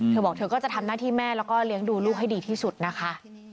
เธอบอกเธอก็จะทำหน้าที่แม่แล้วก็เลี้ยงดูลูกให้ดีที่สุดนะคะ